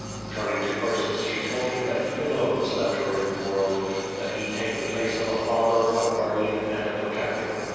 '' Turning to Ursus, she told him that he alone was left her in the world, that he take tho place of a father, a guardian, and a protector.